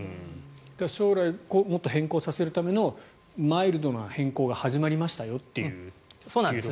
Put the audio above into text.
将来もっと変更させるためのマイルドな変更が始まりましたとよ。